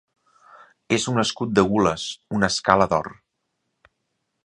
És un escut de gules, una escala d'or.